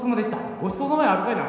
「ごちそうさま」やあるかいな。